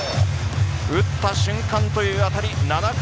打った瞬間という当たり。